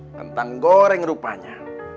tentang goreng rupanya